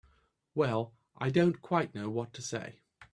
Well—I don't quite know what to say.